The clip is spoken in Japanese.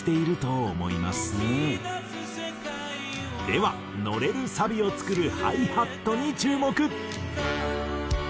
では乗れるサビを作るハイハットに注目。